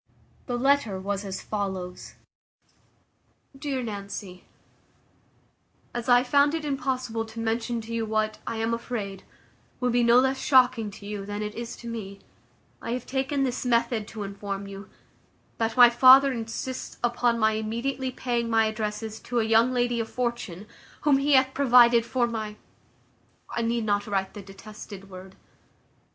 The letter was as follows: "DEAR NANCY, "As I found it impossible to mention to you what, I am afraid, will be no less shocking to you, than it is to me, I have taken this method to inform you, that my father insists upon my immediately paying my addresses to a young lady of fortune, whom he hath provided for my I need not write the detested word.